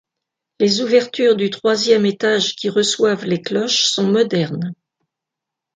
Les ouvertures du troisième étage qui reçoivent les cloches sont modernes.